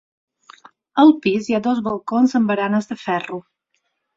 Al pis hi ha dos balcons amb baranes de ferro.